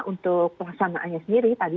untuk pelaksanaannya sendiri tadi